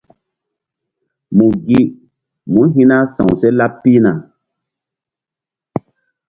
Mu gi mú hi̧ na sawseh laɓ pihna.